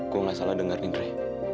gue gak salah denger indre